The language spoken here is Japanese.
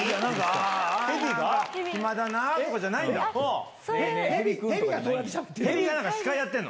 暇だなとかじゃないの。